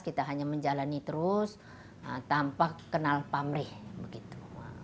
kita hanya menjalani terus tanpa kenal pamrih begitu